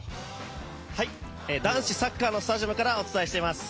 男子サッカーのスタジアムからお伝えしています。